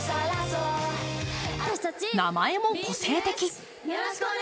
名前も個性的。